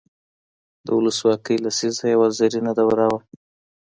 د ولسواکۍ لسيزه يوه زرينه دوره وه.